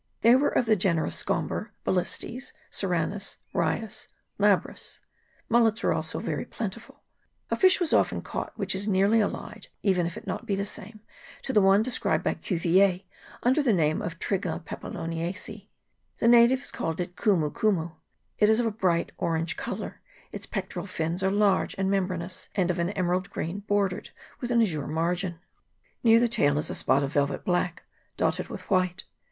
They were of the genera Scomber, Balistes, Serranus, Raius, Labrus. Mullets also were very plentiful. A fish was often caught which is nearly allied, even if it be not the CHAP. II.] CLOUDY BAY. 65 same, to one described by Cuvier under the name of Trigla papilionacea. The natives call it kumu kumu. It is of a bright orange colour ; its pectoral fins are large and membranous, and of an emerald green, bordered with an azure margin. Near the tail is a spot of velvet black, dotted with white.